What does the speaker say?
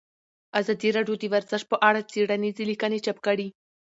ازادي راډیو د ورزش په اړه څېړنیزې لیکنې چاپ کړي.